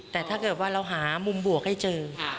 แต่ถ้าเกิดว่าเราหามุมบวกให้เจอ